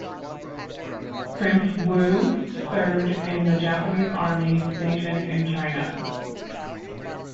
Prince Wu served in the Japanese Army stationed in China.